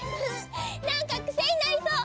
なんかくせになりそう！